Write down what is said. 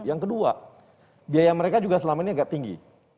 yang kedua biaya mereka juga selama ini agak tinggi